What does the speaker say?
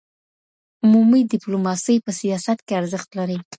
عمومي ډيپلوماسي په سياست کي ارزښت لري.